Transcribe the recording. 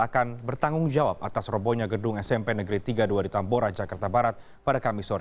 akan bertanggung jawab atas robonya gedung smp negeri tiga puluh dua di tambora jakarta barat pada kamis sore